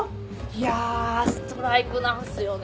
いやストライクなんすよね。